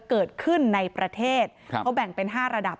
เกิดขึ้นในประเทศเขาแบ่งเป็น๕ระดับ